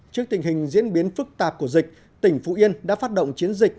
trước tình hình diễn biến phức tạp của dịch tỉnh phú yên đã phát động chiến dịch